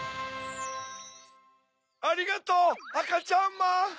ありがとうあかちゃんまん！